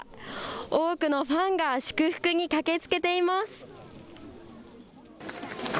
多くのファンが祝福に駆けつけています。